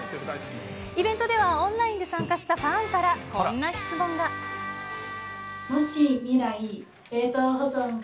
イベントではオンラインで参加したファンからこんな質問が。